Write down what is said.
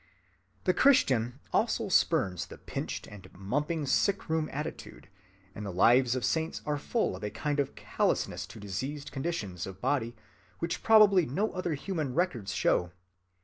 The Christian also spurns the pinched and mumping sick‐room attitude, and the lives of saints are full of a kind of callousness to diseased conditions of body which probably no other human records show.